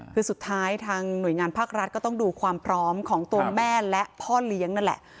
คือสุดท้ายทางหน่วยงานภาครัฐก็ต้องดูความพร้อมของตัวแม่และพ่อเลี้ยงนั่นแหละ